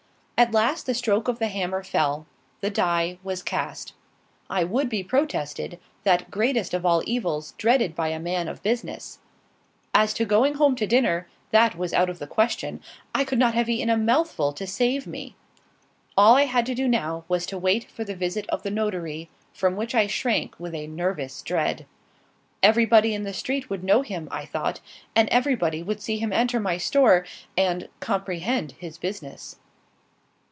At last the stroke of the hammer fell; the die was cast. I would be protested, that greatest of all evils dreaded by a man of business. As to going home to dinner, that was out of the question; I could not have eaten a mouthful to save me. All I had now to do was to wait for the visit of the notary, from which I shrank with a nervous dread. Everybody in the street would know him, I thought, and everybody would see him enter my store and comprehend his business.